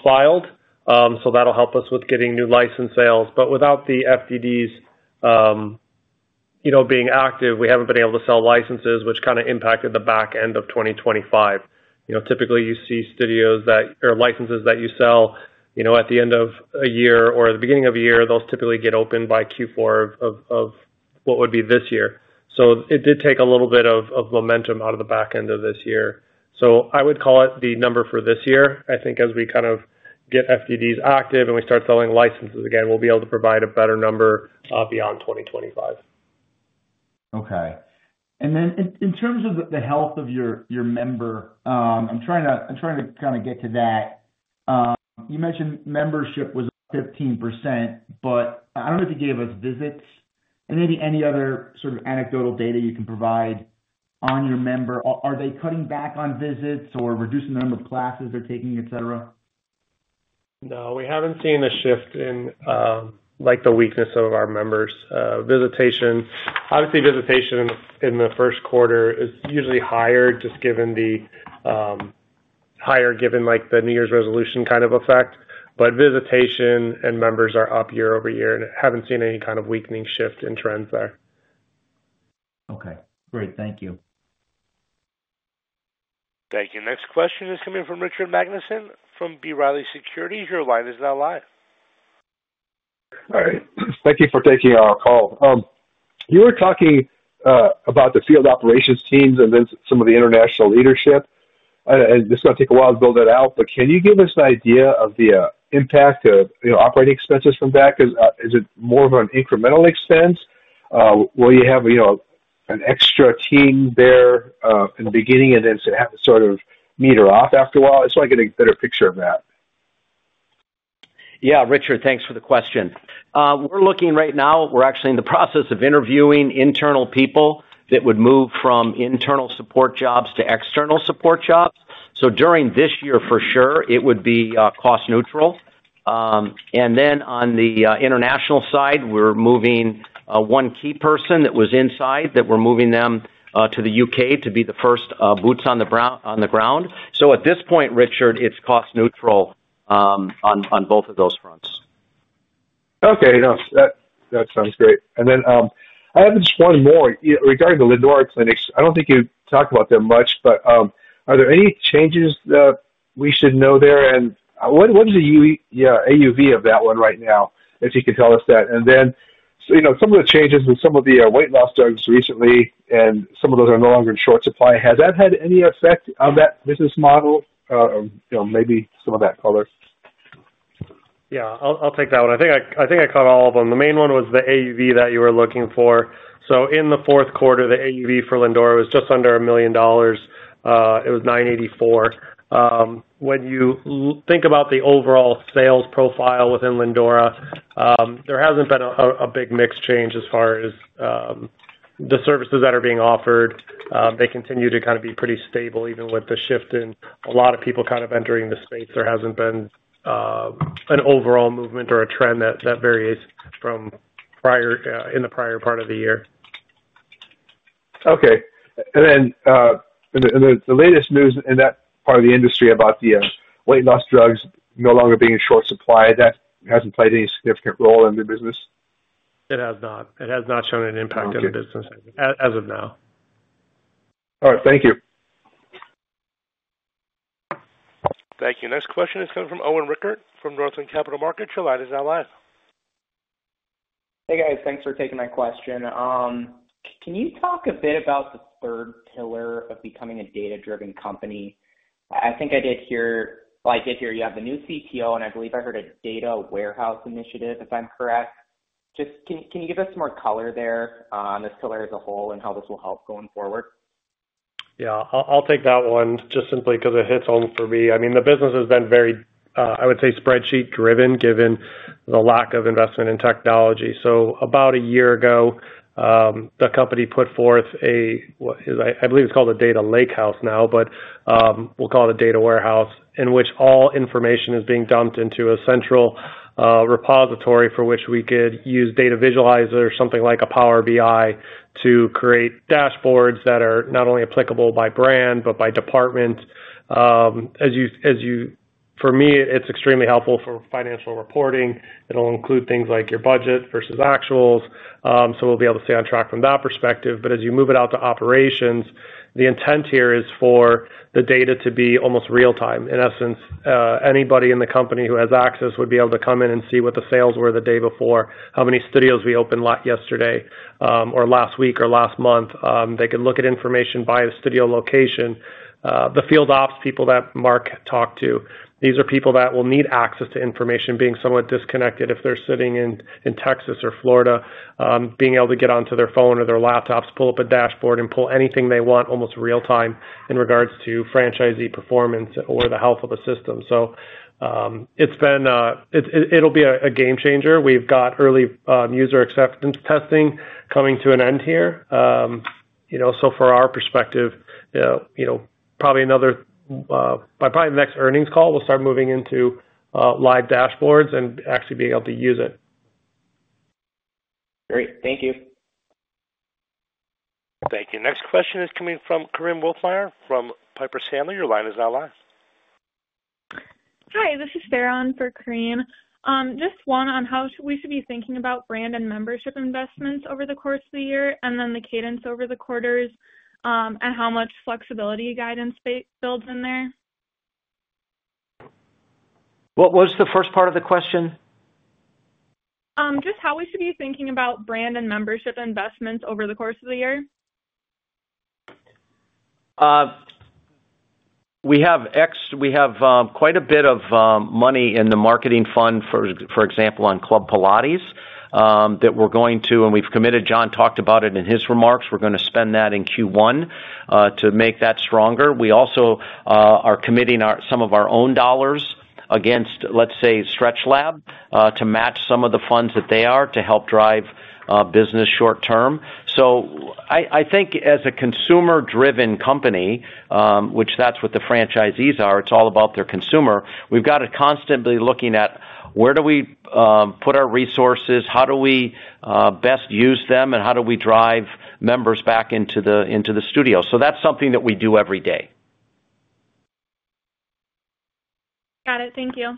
filed. So that'ill help us with getting new license sales. Without the FDDs being active, we have not been able to sell licenses, which kind of impacted the back end of 2025. Typically, you see studios that or licenses that you sell at the end of a year or at the beginning of a year, those typically get opened by Q4 of what would be this year. So it did take a little bit of momentum out of the back end of this year. I would call it the number for this year. I think as we kind of get FDDs active and we start selling licenses again, we'll be able to provide a better number beyond 2025. Okay. And then in terms of the health of your member, I'm trying to kind of get to that. You mentioned membership was 15%, but I don't know if you gave us visits. And maybe any other sort of anecdotal data you can provide on your member? Are they cutting back on visits or reducing the number of classes they're taking, etc.? No. We haven't seen a shift in like the weakness of our members. Obviously, visitation in the first quarter is usually higher just given the New Year's resolution kind of effect. Visitation and members are up year over year, and I haven't seen any kind of weakening shift in trends there. Okay. Great. Thank you. Thank you. Next question is coming from Richard Magnusen from B. Riley Securities. Your line is now live. All right. Thank you for taking our call. Uhm you were talking about the field operations teams and then some of the international leadership. This is going to take a while to build that out. Can you give us an idea of the impact of operating expenses from that? Is it more of an incremental expense? Will you have an extra team there in the beginning and then sort of meter off after a while? Just so I get a better picture of that. Yeah. Richard, thanks for the question. We're looking right now. We're actually in the process of interviewing internal people that would move from internal support jobs to external support jobs. So during this year, for sure, it would be cost-neutral. Adn then on the international side, we are moving one key person that was inside, tha we are moving them to the U.K. to be the first boots on the ground. So at this point, Richard, it is cost-neutral on both of those fronts. That sounds great. And then I have just one more regarding the Lindora Clinics. I do not think you talked about them much, but are there any changes that we should know there? What is the AUV of that one right now, if you could tell us that? And then some of the changes with some of the weight loss drugs recently, and some of those are no longer in short supply. Has that had any effect on that business model, maybe some of that color? Yeah I will take that one. I think I caught all of them. The main one was the AUV that you were looking for. In the fourth quarter, the AUV for Lindora was just under $1 million. Ah it was $984,000. When you think about the overall sales profile within Lindora, uhm there has not been a big mix change as far as the services that are being offered. They continue to kind of be pretty stable even with the shift in a lot of people kind of entering the space. There has not been an overall movement or a trend that varies from in the prior part of the year. Okay. The latest news in that part of the industry about the weight loss drugs no longer being in short supply, that has not played any significant role in the business? It has not. It has not shown an impact on the business as of now. All right. Thank you. Thank you. Next question is coming from Owen Rickert from Northland Capital Markets. Your line is now live. Hey, guys. Thanks for taking my question. Uhm can you talk a bit about the third pillar of becoming a data-driven company? I think I did hear, well, I did hear you have the new CTO, and I believe I heard a data warehouse initiative, if I'm correct. Just can you give us some more color there on this pillar as a whole and how this will help going forward? Yeah. I'll take that one just simply because it hits home for me. I mean, the business has been very, I would say, spreadsheet-driven given the lack of investment in technology. S about a year ago, the company put forth a—I believe it's called a data lakehouse now, but we'll call it a data warehouse—in which all information is being dumped into a central repository for which we could use data visualizers or something like a Power BI to create dashboards that are not only applicable by brand but by department. Uhm for me, it's extremely helpful for financial reporting. It'll include things like your budget versus actuals. Uhm so we'll be able to stay on track from that perspective. As you move it out to operations, the intent here is for the data to be almost real-time. In essence, anybody in the company who has access would be able to come in and see what the sales were the day before, how many studios we opened yesterday or last week or last month. Uhm they could look at information by the studio location. The field ops people that Mark talked to, these are people that will need access to information being somewhat disconnected if they're sitting in Texas or Florida, being able to get onto their phone or their laptops, pull up a dashboard, and pull anything they want almost real-time in regards to franchisee performance or the health of the system. So it's been ah it will be a game changer. We've got early user acceptance testing coming to an end here. From our perspective, probably by the next earnings call, we'll start moving into live dashboards and actually being able to use it. Great. Thank you. Thank you. Next question is coming from Korinne Wolfmeyer from Piper Sandler. Your line is now live. Hi. This is Ferron for Korinne. Ahm just one on how we should be thinking about brand and membership investments over the course of the year and then the cadence over the quarters and how much flexibility guidance builds in there. What was the first part of the question? Just how we should be thinking about brand and membership investments over the course of the year? We have quite a bit of money in the marketing fund, for example, on Club Pilates that we're going to, and we've committed. John talked about it in his remarks. We're going to spend that in Q1 to make that stronger. We also are committing some of our own dollars against, let's say, StretchLab to match some of the funds that they are to help drive business short-term. I think as a consumer-driven company, which that's what the franchisees are, it's all about their consumer, we've got to constantly be looking at where do we put our resources, how do we best use them, and how do we drive members back into the studios. So that's something that we do every day. Got it. Thank you.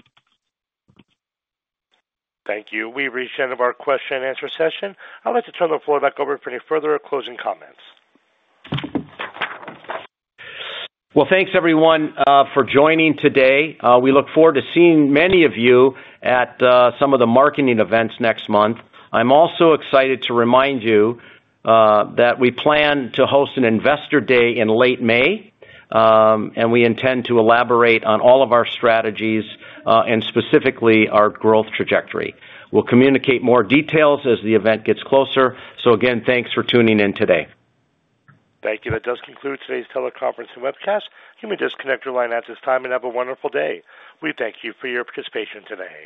Thank you. We've reached the end of our question-and-answer session. I'd like to turn the floor back over for any further closing comments. Well, thanks everyone, for joining today. We look forward to seeing many of you at some of the marketing events next month. I'm also excited to remind you that we plan to host an investor day in late May, uhm and we intend to elaborate on all of our strategies and specifically our growth trajectory. We'll communicate more details as the event gets closer. So gain, thanks for tuning in today. Thank you. That does conclude today's teleconference and webcast. You may disconnect your line at this time and have a wonderful day. We thank you for your participation today.